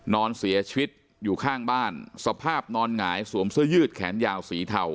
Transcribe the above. นอนเสียชีวิตอยู่ข้างบ้านสภาพนอนหงายสวมเสื้อยืดแขนยาวสีเทา